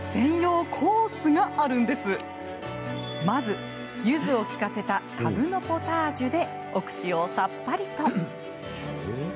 まず、ゆずを利かせたかぶのポタージュでお口をさっぱりと。